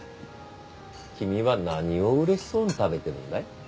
君は何を嬉しそうに食べているんだい？